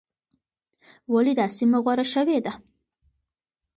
ولې دا سیمه غوره شوې ده؟